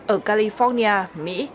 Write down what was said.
ở california mỹ